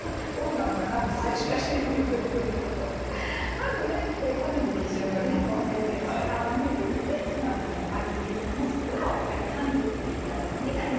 まずねこの時期旬のれんこんですけども皮むいて１ｃｍの厚さの輪切りもしくは大きかった半月に切ったものになります。